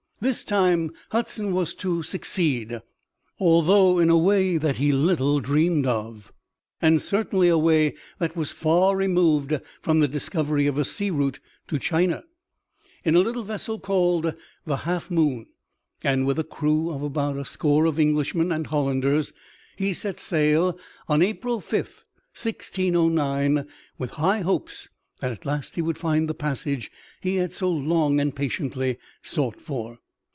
This time Hudson was to succeed, although in a way that he little dreamed of and certainly a way that was far removed from the discovery of a sea route to China. In a little vessel called the Half Moon, and with a crew of about a score of Englishmen and Hollanders, he set sail on April 5, 1609, with high hopes that at last he would find the passage he had so long and patiently sought for.